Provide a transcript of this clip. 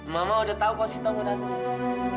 mama udah tahu kalau sita mau datang ya